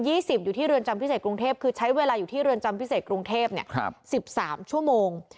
๒๐อยู่ที่ที่เรือนจำพิเศษกรุงเทพคือใช้เวลาอยู่ที่เรือนจำพิเศษกรุงเทพ๑๓ชั่วโมง